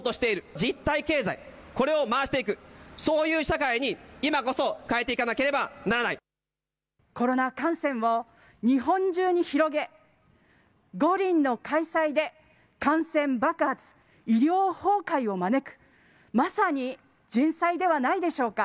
実体経済、これを回していく、そういう社会に今こそコロナ感染を日本中に広げ、五輪の開催で感染爆発、医療崩壊を招く、まさに人災ではないでしょうか。